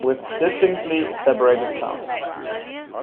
With distinctly separated sounds.